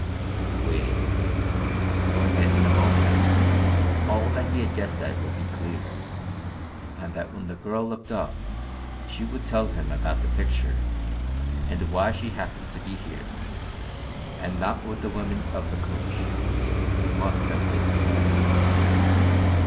He waited, knowing that in a moment or two all that he had guessed at would be clear, and that when the girl looked up she would tell him about the picture, and why she happened to be here, and not with the woman of the coach, who must have been her mother.